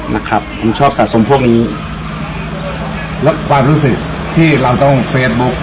นะครับผมชอบสะสมพวกนี้แล้วความรู้สึกที่เราต้องเฟซบุ๊ก